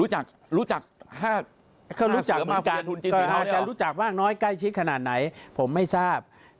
หรือผมเรียกเค้ามนัด